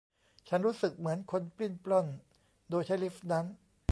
ฉันรู้สึกเหมือนคนปลิ้นปล้อนโดยใช้ลิฟท์นั้น